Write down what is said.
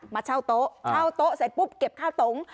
มาเช่าโต๊ะเช่าโต๊ะเสร็จปุ๊บเก็บข้าวตง